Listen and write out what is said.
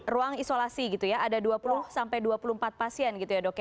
ruang isolasi gitu ya ada dua puluh sampai dua puluh empat pasien gitu ya dok ya